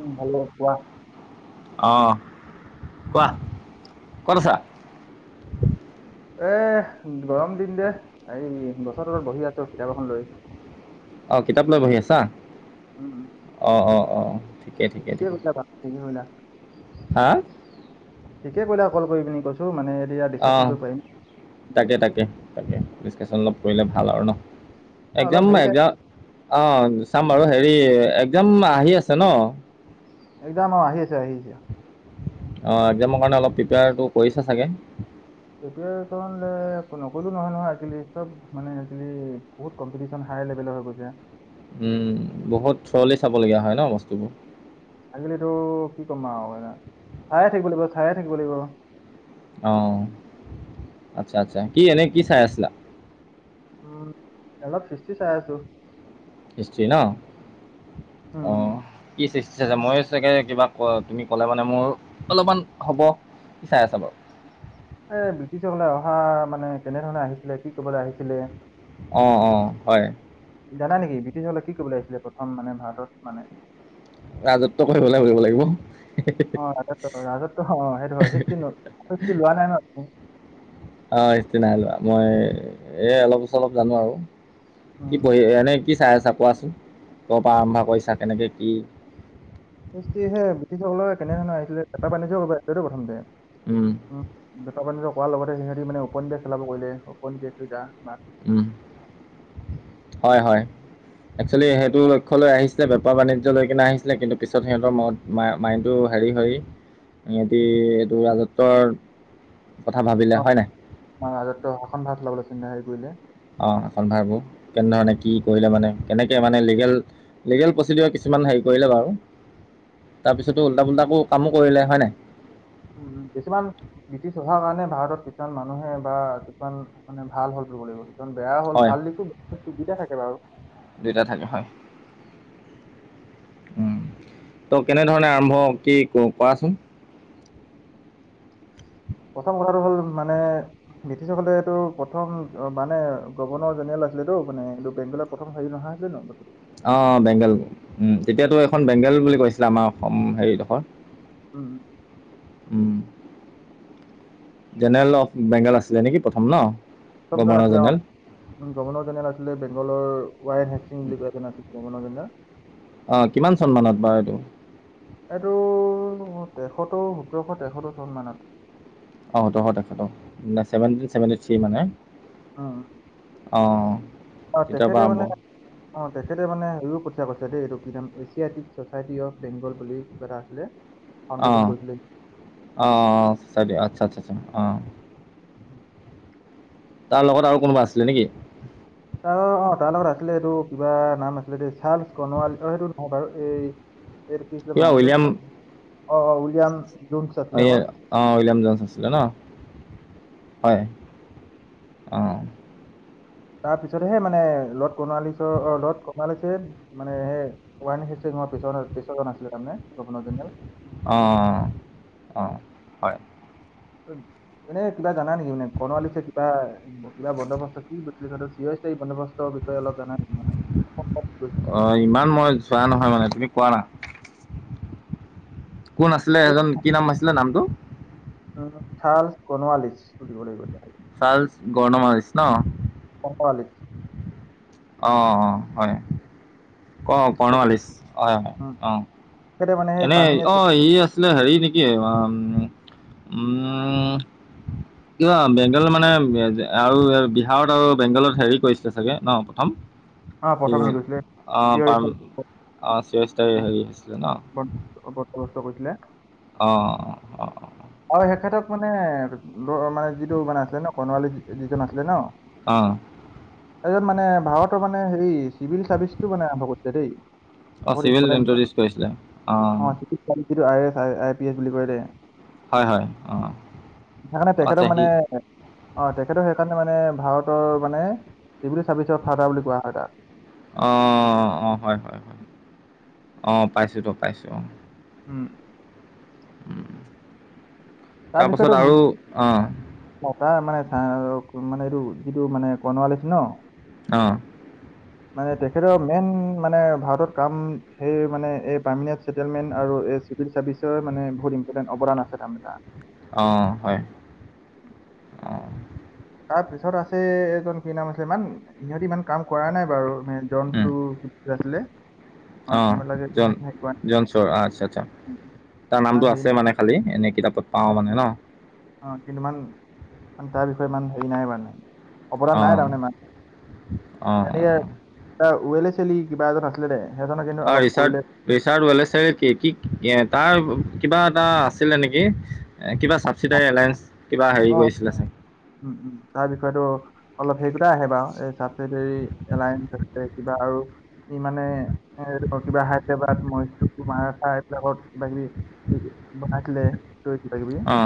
উম, ভালেই কোৱা? অ', কোৱা কত আছা? এ, গৰম দিন যে এই গছৰ তলত বহি আছো কিতাপ এখন লৈ। অ, কিতাপ লৈ বহি আছা, অ', অ', অ'। ঠিকেই কৈচা চেঙি মনা হা? ঠিকে কলে, অকল কৰি পিনি কৈছো মানে এতিয়া ডিচকাচন আহ, কৰিব পাৰিম তাকে, তাকে, তাকে ডিছকাশচন অলপ কৰিলে ভাল আৰু ন, মই একজাম, অলপ হেৰি চাই একজাম অ, চাম বাৰু হেৰি একজাম আহি আছে, ন। একজাম অ, আহিছে, আহিছে। অ, একজামৰ কাৰণে অলপ প্ৰিপেয়াৰটো কৰিছে চাগে। নকো, নহয়, নহয় আ, চব মানে বহুত কম্পিটিশন হাই লেভেলৰ হৈ, গৈছে। উম, বহুত চৰলি চাব লগগীয়া হয়, ন, বস্তুবোৰ। আজিকালিতো কি, ক'ম আৰু চায়ে থাকিব লাগিব, চায়ে থাকিব লাগিব। অ, আচ্ছা, আচ্ছা কি এনে কি চাই আছিলা। উম, অলপ ফিষ্টি চাই আছো। [unintelligible] ন', উম, উম। অ', কি মই চাগে, কিবা ক, তুমি ক'লে মানে মোৰ অলপমান হ'ব। কি চাই আছ বাৰু। এ, ব্ৰিটিছকলে অহা মানে, কেনেধৰণে আহিছিলে কি কবলৈ আহিছিলে। অ', অ', হয়। জানা নেকি, ব্ৰিটিছকলে কি কবলৈ আহিছিলে প্ৰথম মানে ভাৰতত মানে। ৰাজত্ব কৰিবলৈ ক'ব লাগিব। অ, ৰাজ, ৰাজত্ব অ, সেইটো সষ্টি, সষ্টি লোৱা নাই, ন, ত অ, ই্ত নাই লোৱা মই এ, অলপ চলপ জানো আৰু। কি উম, পঢ়ি, এনে, কি চাই আচা? কোৱাচোন, ক'ৰ পৰা আৰম্ভ কৰিছা, কেনেকৈ কি [unintelligible] কেনেধৰণ আহছিলেপা পানীল প্ৰথমতে উম। নিজৰ কৰাৰ লগতে সিহঁ মে, অপনে খেলাব কৰিলে, অপন বে কেইটা উ, হয়, হয় একচেলি উম, সেইটো লষ্য লৈ আহিছে। ছিল বেপাৰ বাণিজ্য লৈ কিনে আহিছিলে, কিন্তু পিছত সিহঁতৰ ম, মাইটো হেৰি হৈ। সিহতি এইটো ৰাজত্বৰ কথা ভাবিলে অ, হয় নাই? ৰাজত শাসন ভাত ললাবলৈ চিন্তা হেৰি কৰিলে। অ, শনভাৰবোৰ কেনেধৰণে কি কৰিলে মানে, কেনেকৈ মানে লিগেল, লিগেল প্ৰচিডিৰ কিছুমান হেৰি কৰিলে বাৰু, তাৰপিছতো উল্টা, পুল্টাকো কামো কৰিলে হয়নে, নাই। উ, উ, কিছুমান ব্ৰিটিছ হভোৱাৰ কাৰণে, ভাৰতত কিছুমান মানুহে বা কিছুমান মানে ভাল হ'ল। লাগিব কিমান বেয়া হ'ল হয়। ভাল, দেখো চুবিধা থাকে বাৰু। উ, ত, কেনেধৰণে আৰম্ভ কি, কৰাচোন। প্ৰথম কথাটো হ'ল মানে, ব্ৰিটিছসকলে, এইটো প্ৰথম মানে গগৰ্ণ জন আছিলে ত, মানেন্ত বংগলৰ প্ৰথম হেৰি নহা আছিলে ন। বস্তুটো অ, বেংগল উম, অ, তেতিয়াতো এখন বেংগল বুলি কৈছিলে আমাৰ অসম হেৰিডোখৰ। উম। উ, জেনেৰেল অফ, বেংগল আছিলে নেকি প্ৰথম ন। [inaudible] ৱ, গভৰ্ণৰ জেনেৰেল হি, বুলি ক, আছিল। আহ, কিমান চন মানত বাৰু এইটো। এইটো তেসত্তৰ, সোতৰশ, তেসত্তৰ চন মানত। অত, তেখেত, ভেভেট থ, মানে উম। অঁ অ, তেতিয়াৰ পৰা তেখেতে আৰম্ভ মানে অঁ অ, তেখেতে মানে ইও কঠিয় পাছে। আ এইটো কি নাম এছিয়টিক চচাইটি অফ বেংগল বুলি কিবা এটা আছিলে। ফাউণ্ডেশ্যন আহ কৰিছিলে আহ চ আচ্ছা আচ্ছা আচছা আহ। উম', তাৰ লগত আৰু কোনোবা আছিলে নেকি? অ', অ' তাৰ লগত আছিলে। এইটো কিবা নাম আছিলে দ চাৰ্লছ কণোৱাল অ' সেইটো নহয় বাৰু এই এই কিছ কিবা উইলিয়াম অ উইলিয়াম জোনছ আছিলে আকৌ অ', উইলিয়াম জনচ আছিলে। ন হয়। অ', তাৰ পিছত হে মানে লত কনালিছ অ', লত কণালিছে মানে [unintelligible] [unintelligible] [unintelligible] পিছ পিছজন আছিলে। তাৰমানে গোনথাল অ', অ' হয়। [unintelligible] এনে কিবা জানা নেকি মানে কৰ্ণালীছে কিবা কিবা বন্দোবস্ত কি কৰিছিলে। সটো চিঞ হৈছে এই বন্দবস্তৰ বিষ অ', ইমান মই যোৱা নহয় মানে তুমি কোৱা না কোন আছিলে। এই, এজন কি নাম আছিলে নামটো? উম চাল কনোৱালিছ দিব লাগিবতি চাল গৰ্ণ মাৰিছ ন [unintelligible] অ', অ' হয়। ক তেখেতে কৰ্ণোৱালিছ হয়। হয়। উম, অ' তেখেতে মানে সেই এনে পাৰ্মিনেণ্ট অ' ই আছিলে। হেৰি নেকি উ' উম' [inaudible] কিবা বেংগল মানে আৰু বিহাৰত আৰু বেংগলত হেৰি কৰিছিলে চাগে ন প্ৰথম অ প্ৰথম হেৰি কৰিছিলে থিয় হিচাপে [unintelligible] [unintelligible] [unintelligible] বন্দবস্ত কৰিছিলে। অ', অ'। তেখেতক মানে মানে যিটো মানে আছিলে। ন কৰ্ণোৱালী যিজন আছিলে ন আহঁ। তাৰপিছত মানে ভাৰতৰ মানে' হে চিভিল চাৰ্ভিচটো মানে আৰম্ভ কৰিছে দেই। অ চিভিল [unintelligible] ইণ্ট্ৰডিউচ কৰিছিলে অ এইিটো I S I P S বুলি কয়লে। হয় হয় অ সেইকাৰণে আচ্ছা তেখেতক মানে, সি অ' তেখেতৰ সেই কাৰণে মানে ভাৰতৰ মানে চিভিলি চাৰ্ভিচৰ ফাৰডাৰ বুলি কোৱা হয়। তাত অ ', অ' হয়। হয়। হয়। অ' পাইছো তো পাইছো। অ', উম', তাৰপাছত তাৰপিছতো আৰু অঁ, মানে, এইটো যিটো মানে, কৰ্ণোৱালীছে ন অঁ, মানে, তেখেতৰ মেইন মানে ভাৰতত কাম সেই মানে, এই পাৰ্মিণ্ট চছেটেলমেণ্ট আৰু এই চিভিল চাৰ্ভিচৰ মানে ইম্পটণ্ অদান আছে। অ', হয়। অঁ, [unintelligible] তাৰপিছত আছে। এজন কি নাম আছিলে, ইমান ইহঁতি ইমান কাম কৰা নাই বাৰু। মে জন চু, কি কি আছিলে? অ', সিমানলৈকে জন, হেৰি কৰা নাই জন, চৰ আচ্ছা আচ্ছা। তাৰ নামটো ইমান হেৰি আছে মানে খালি এনে ত পাওঁ মানে ন অ', কিন্তু ইমান মান তাৰ বিষয়ে ইমান হেৰি নাই মানে অৱদান নাই অঁ, তাৰমানে, ইমান তেনেকে অঁ, এটা ওৱেল এ চেলি কিবা এজন আছিলে নে? অ', ৰিচাৰ্ ৰিচাৰ্ডাল চ কি কি তাৰ কিবা এটা আছিলে নেকি? কিবা ছাবচিডাৰী এলায়েস আহ, উম তাৰ বিষয়েতো অলপ সেই দুটা আহে বাৰু, এই চাবচিডিৰী এলায়েন্ঞ্চ [unintelligible] কিবা আৰু ই মানে কিবা হায়দৰাবাদ [unintelligible] মাৰাঠা এইবিলাকত কিবা কিবি বনাইছিলে। তো কিবা কিবি অ,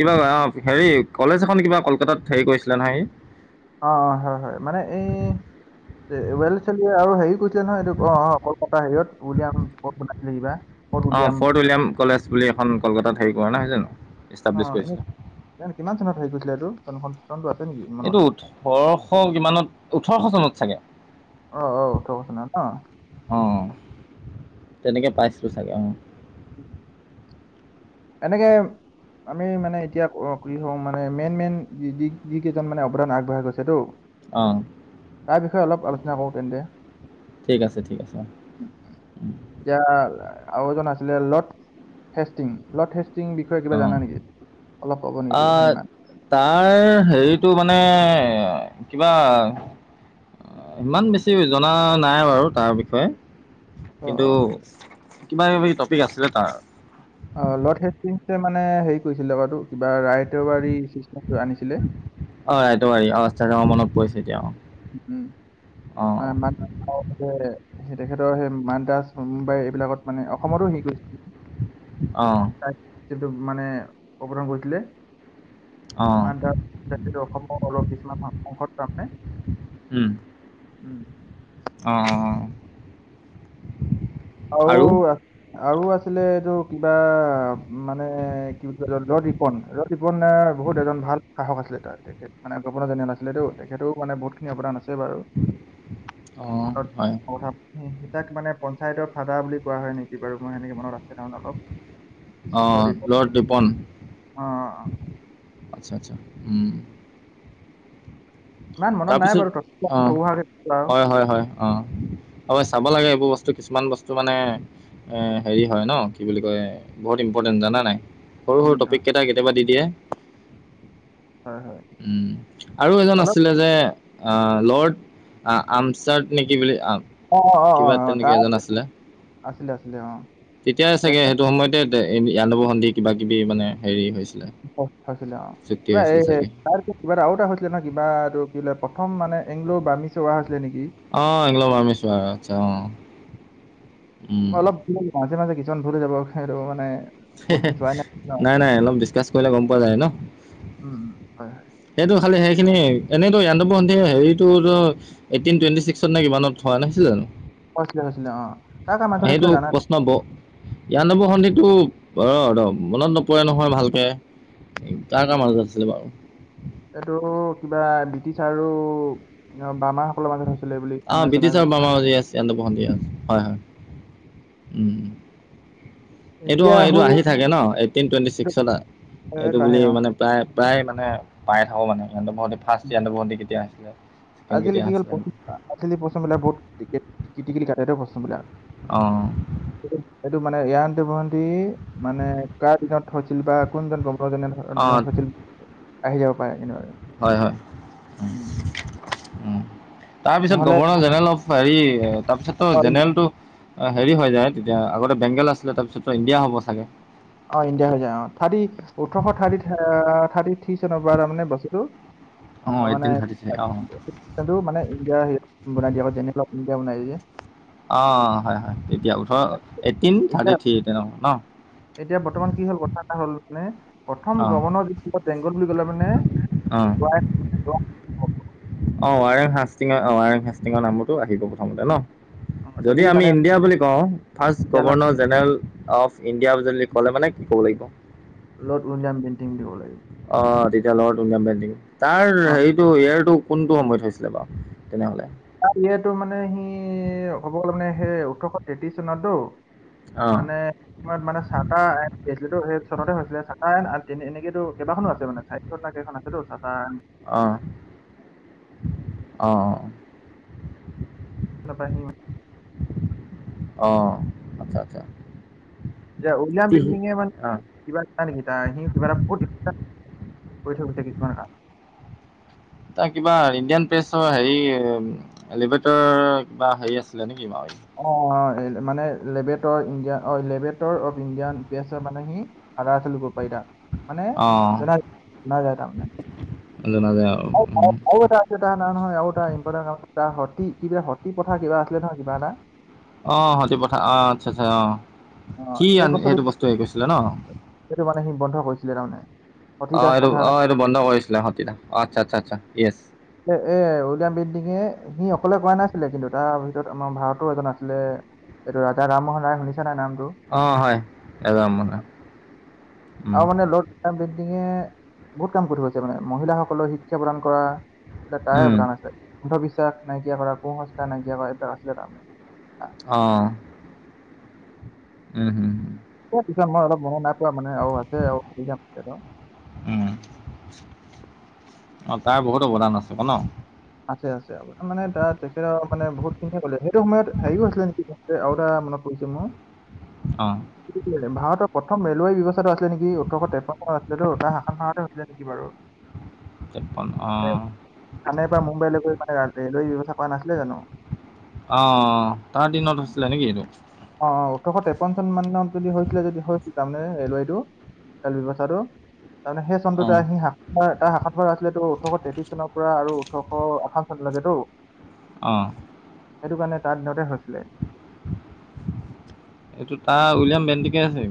কিবা অ, হেৰি কলেজ এখন কিবা কলকাতাত হেৰি কৰিছিলে নহয় সি। অ', অ', হয়-হয় মানে এই ৱেলছেলিয়াৰ আৰু হেৰিও কৰিছিলে নহয়, এইটো অ', অ', কলকাতা হেৰিয়ত উলিয়াম ক বনাইছিলে কিবা ক'ত অ', উলিয়াম ফৰ্ড উইলিয়াম কলেজ বুলি এখন কলকাতাত হেৰি কৰা নাই জানো? অ, ইষ্টাব্লিছ এনেই কৰিছিলে কিমান চনত হেৰি কৰিছিলে এইটো? [unintelligible] এইটো ওঠৰশ কিমানত, ওঠৰশ চনত চাগে। অ অ ওঠৰ চনত ন অ, তেনেকৈ পাইছোঁ চাগে, অ', এনেকে আমি মানে এতিয়া অ, কি হম মানে, মেইন মেইন যি-যি-যিকেইজন মানে অৱদান আগবঢ়াই গৈছেতো অহ' তাৰ বিষয়ে অলপ আলোচনা কৰো তেন্তে ঠিক আছে, ঠিক আছে, অ', উম, এতিয়া আৰু এজন আছিলে, লৰ্ড হেষ্টিং, লৰ্ড হেষ্ট ষ্টিং বিষয়ে কিবা অঁ জানা নেকি? অলপ ক'ব নেকি অঁ দুশাৰীমান? তাৰ হেৰিটো মানে এ, কিবা ইমান বেছি জনা নাই বাৰু তাৰ বিষয়ে অ কিন্তু, কিবা কিবি টপিক আছিলে তাৰ। অ', লৰ্ড হেষ্টিঙে মানে হেৰি কৰিছিলে, কি কয় এইটো কিবা ৰাই [unintelligible] বাৰী চিষ্টেমটো আনিছিলে। অঁ ৰাইটবাৰী অঁ আচ্ছা অঁ মনত পৰিছে এতিয়া উম, অঁ আমাক, অ', সেইটোৱে। সেই তেখেতৰ, সেই মাদ্ৰাজ, মুম্বাই এইবিলাকত মানে অসমতো হেৰি কৰিছিলে, [unintelligible] অঁ কিন্তু মানে, অপৰণ কৰিছিলে অঁ অঁ মাদ্ৰাজ, অসমৰ অলপ কিছুমান [unintelligible] উম, উম, অ', আৰু আৰু আছিলে, এইটো কিবা মানে কি বুলি কয় ল-লৰ্ড ৰিপন, লৰ্ড ৰিপনৰ বহুত এজন ভাল শাসক আছিলে, তাৰ তেখেত মানে গৱৰ্ণৰ জেনেৰেল আছিলেটো, তেখেতৰও মানে বহুত খিনি অৱদান আছিল। ছে বাৰু, অঁ লৰ্ড হয় [unintelligible] মানে ফাইডৰ ফাডাৰ বুলি কোৱা হয় নেকি বাৰু, মই সেনেকে মনত আছে তাৰ অলপ অহ', লৰ্ড ৰিপন? অঁ অঁ আচছা আচছা। ইমান মনত নাই তাৰপিছত বাৰু তথাপিও অ, মোক সৰু সুৰাকে কৈছো আৰু 'হয়' 'হয়' 'হয়' অ, হয়, চাব লাগে এই বোৰ বস্তু, কিছুমান বস্তু মানে এ হেৰি হয় ন' কি বুলি কয়, বহুত ইম্পৰ্টেন্ট জানা নাই? সৰু সৰু উম, অ, টপিক কেইটা কেতিয়াবা দি দিয়ে। হয় হয় উম, আৰু এজন আছ অলপ লে যে, আহ' লৰ্ড আ-আমচাৰ্ড নে কি বুলি অঁ অঁ কিবা অঁ অঁ তেনেকে তাৰ এজন আছিলে। আছিলে আছিলে অঁ তেতিয়াই চাগে তেখেত সেইটো সময়তে ই-ইয়াণ্ডাবু সন্ধি কিবা কিবি মানে হেৰি হৈছ হৈছিলে অ, কিবা এই চাগে তাৰ কিবা এটা আৰু এটা হৈছিলে নহয় কিবা এ [unintelligible] প্ৰথম মানে এংল'ৰ বামি চোৱা হৈছ অহ', ইংলো বামিচোৱা আটচা অ', উম অলপ মাজে মাজে কিছুমান ভুল হৈ যাব সেইটো মানে বহুত দিন চোৱাই ন নাই নাই অলপ ডিচকাছ কৰিলে গম পোৱা যায় ন'। উম হয় হয় সেইটো খালি সেইখিনি, এনেইতো ইয়াণ্ডাবু সন্ধি হেৰিটো এইটো এইটিন টুৱেন্টি ছিক্সত নে কিমানত হোৱা নাছিলে জানো? হৈছিলে হৈছিলে অ কাৰ কাৰ মাজত এইটো হৈছিলে জানা প্ৰশ্ন ব, ইয়াণ্ডাবু সন্ধিত এইটো ৰ ৰ মনত নপৰে নহয় ভালকে, উম, কাৰ কাৰ মাজত আছে? এই বাৰো এইটো কিবা ব্ৰিটিছ আৰু ৰ্বামা সকলৰ মাজত হৈছে। আহ ব্ৰিটিছ আৰু ৰ্বামাৰ মাজত ইয়েচ। ইয়ান্দাবু সন্ধি। হয় হয় উম এইটো এতিয়া আহো অ'এইটো আহি থাকে ন, এইটটিন টুৱেটি এইটো ছিক্সত এইটো আহে বুলি অ মানে প্ৰায় প্ৰায় মানে পাই থাকো মানে ইয়ান্দাবু সন্ধি, ফাৰ্ষ্ট ইয়ান্দাবু সন্ধি কেতিয়া হৈছিলে? আজিকালি কি হ'ল আজিকালি প্ৰশ্নবিলাক বহুত কাট কিটিকেলি কাটে প্ৰশ্নবিলাক। অঁ সেইটো মানে ইয়ান্দাবু সন্ধি মানে কাৰ দিনত হৈছিল বা কোনজন গভৰ্ণৰ জনেৰেলৰ অ দিনত হৈছিল আহি যাব পাৰে। এনেুৱা হয় হয়। উম। তাৰপিছত নহ'লে গভৰ্ণৰ জেনেৰেল অফ হেৰি তাৰপিছতো অ জেনেৰেলটো অ' হেৰি হৈ যায়, তেতিয়া আগতে বেংগল আছিলে তাৰপিছত ইণ্ডিয়া হ'ব চাগে। অ' ইণ্ডিয়া হৈ যায় অ', থাৰ্টি ওঠৰশ থাৰ্টি থাৰ্টি থ্ৰী চনৰ পৰা, তাৰ মানে বস্তুটো অঁ অ' মানে এইটিন থাৰ্টি থ্ৰী অঁ মানে ইিয় হৰিত বনাই দিয়া আকৌ যেনে বনাই দিয়ে অ' হয় হয়। তিয়া ওঠৰ এইটটিন থাৰ্টি এতিয়া থ্ৰী তেনে ন। হ [unintelligible] প্ৰথম অঁ গভৰ্ণৰ য বেংগল বুলি ক'লে মানে অঁ অঁ ৱাৰেং হষ্টিঙৰ ৱাৰেং হাষ্টিঙৰ নামতো আহিব প্ৰথমতে ন। অ', যদি আমি মানে ইণ্ডিয়া বুলি কওঁ ৰ্ফাষ্ট তেতিয়াহ'লে গভৰ্ণৰ জেনেৰেল অফ ইণ্ডিয়া বুলি ক'লে মানে কি ক'ব লাগিব? ৰ্লড উইলিয়াম বেণ্টিং দিব লাগিব। অ' তেতিয়া ৰ্লড উইলিয়াম বেণ্টিং, তাৰ অ হেৰিটো ইয়াৰটো কোনটো সময়ত হৈছিলে বাৰু তেনেহ'লে? তাৰ ইয়েতো মানে সি ক'ব গ'লে মানে সেই ওঠৰশ তেত্ৰিশ চনততো। অঁ মানে সময়ত মানে চা [unintelligible] চনতে হৈছিলে চাহাহ। তেনে এনে-এনেকেতো কেইবাখনো আছে, মানে চাৰিখন নে কেইখন আছেটো চাটাৰ অহ অঁ অঁ নাপাইহি মানে। অঁ আচ্ছা আচ্ছা। এতি উইলিয়াম বেনটিঙে মানে অঁ কিবা নেকি তাৰ সি কিবা এটা বুত [unintelligible] কৰি থৈ গৈছে কিছুমান কাম। তাৰ কিবা ইণ্ডিয়ান প্ৰেছৰ হেৰি এলভেটৰ কিবা হেৰি আছিলে নেকি বাৰু? অ' মানে লেবেটৰ ইণ্ডিয় অ' লেবেটৰ অফ ইণ্ডিয়ান প্ৰেছে মানে সি সাধা ল পাৰ তা মানে অঁ জ-জনা যায় তাৰমানে। জনা যায় আৰু [unintelligible] আৰু এটা আছে নহয় আৰু তাৰমানে এটা ইম্পৰ্টেণ্ট কাম। তাৰ সতি কিবা সতি পথা কিবা আছিলে নহয় কিবা এটা। আহ সতিপথা অ' আচ্ছা আচ্ছা, অ সি সেই আন বস্তুটো সেইটো বস্তু হেৰি কৰিছিলে ন। সেইটো মানে সি বন্ধ কৰিছিলে তাৰমানে। সতী অ' দাস সেটু প্ৰথা এটা অ' বন্ধ কৰিছিলে, সতি দাহ আচ্ছা আচ্ছা আচ্ছা ইয়েচ। এ এ উইলিয়াম বেণ্টিঙে সি অকলে ক'ৰা নাছিলে, কিন্তু তাৰ ভিতৰত আমাৰ ভাৰতৰ এজন আছিলে। এইটো ৰাজা ৰামমোহন ৰাই শুনিছো। অ' হয় এ ৰাজা ৰামমোহনে। আৰু মানে ৰ্লড উইলিয়াম বেণ্টিঙে বহুত কাম কৰি থৈছে মানে, মহিলাসকলৰ শিক্ষা প্ৰদান কৰা এই বিলাক তাৰে অৱদান আছিলে, অন্ধবিশ্বাস নাইকিয়া কৰা, কু সংস্থা নাইকিয়া কৰা, এইবিলাক আছিলে তাৰমানে। অহঁ উম হম হম এই পিছত মই অলপ মনত নাই। [unintelligible] ৱা মানে আৰু আছে, আৰু [unintelligible] অ, তাৰ বহুত অৱদান আছে ক'ন। আছে, আছে আৰু তাৰ মানে, তাত তেখেত মানে বহুতখিনিয়ে' [unintelligible] সেইটো সময়ত হেৰিও আছিলে নেকি আৰু এটা ম [unintelligible] অঁ [unintelligible] মই ভাৰতৰ প্ৰথম ৰেলৱে ব্যৱস্থাটো আছিলে নেকি, ওঠৰশ তেপন্ন চনত এইটো, তাৰ শাসন খাওতে হৈছিলে নেকি বাৰু? তেপন অ'। মুম্বাইলৈ গৈ, পাই ৰেলৱেৰ ব্যৱস্থা পোৱা নাছিলে, জানো। অ', অ', তাৰ দিনত আছিলে নেকি এইটো? অ', অ', ওঠৰশ তেপন্ন চন মানত যদি হৈছিলে, যদি হৈছিলে তাৰমানে ৰেলৱাইটো। তেল ব্যৱস্থাটো তাৰমানে সেই অঁ চনটোতে সি, শ, তাৰ শাসনভাৰ আছিলেতো। ওঠৰশ তেত্ৰিশ চনৰ পৰা, আৰু ওঠৰশ আঠন চনলৈকে তো। অ'। সেইটো কাৰণে, তাত দিনতে হৈছিলে। এইটো তাৰ উইলিয়াম বেনটিঙে আছে, নেকি?